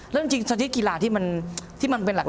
แล้วจริงสถิติกีฬาที่มันเป็นหลัก